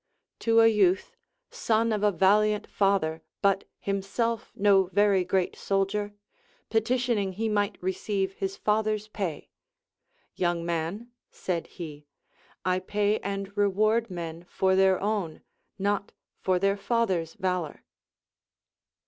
To a vouth, son of a valiant father, but himself no verv great soldier, petitioning he might receive his f\ither"s pay ; Young man, said he, I pay and reward men for their own, not for their fathers' valor.